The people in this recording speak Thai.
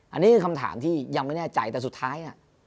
อันนี้คือคำถามที่ยังไม่แน่ใจแต่สุดท้าย